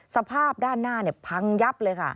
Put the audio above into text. สภาพด้านหน้าพังยับเลยค่ะ